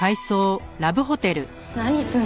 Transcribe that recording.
何するの？